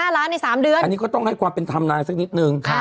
๑๕ล้านใน๓เดือนอันนี้ก็ต้องให้ความเป็นทำนายสักนิดนึงค่ะ